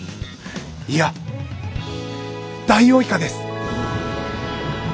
いやダイオウイカです！